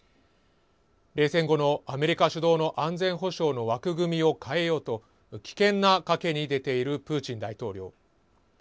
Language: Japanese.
冷戦後のアメリカ主導の安全保障の枠組みを変えようと危険な賭けに出ているプーチン大統領。